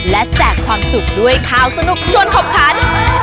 และแจกความสุขด้วยข่าวสนุกชวนขบคัน